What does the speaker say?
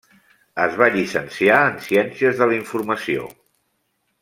Es va llicenciar en ciències de la informació.